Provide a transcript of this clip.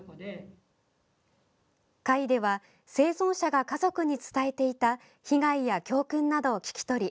会では生存者が家族に伝えていた被害や教訓などを聞き取り